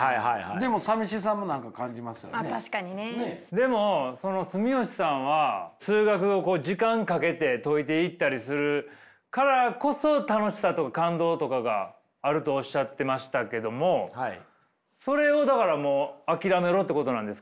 でもその住吉さんは数学をこう時間かけて解いていったりするからこそ楽しさとか感動とかがあるとおっしゃってましたけどもそれをだからもう諦めろってことなんですか？